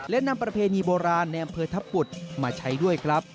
และนำประเภนีโบราณแน่เภอทะปุฏมาใช้ด้วยครับ